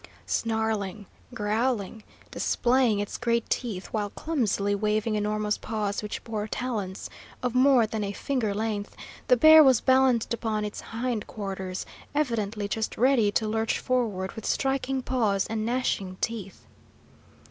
Snarling, growling, displaying its great teeth while clumsily waving enormous paws which bore talons of more than a finger length, the bear was balanced upon its hindquarters, evidently just ready to lurch forward with striking paws and gnashing teeth.